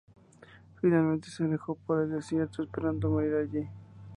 Finalmente se alejó por el desierto esperando morir allí.